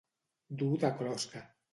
Dur de closca.